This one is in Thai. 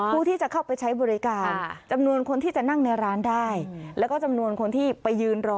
ผู้ที่จะเข้าไปใช้บริการจำนวนคนที่จะนั่งในร้านได้แล้วก็จำนวนคนที่ไปยืนรอ